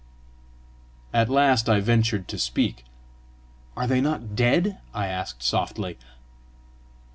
At last I ventured to speak. "Are they not dead?" I asked softly.